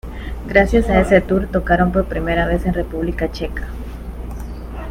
Gracias a este tour tocaron por primera vez en República Checa.